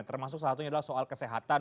termasuk salah satunya adalah soal kesehatan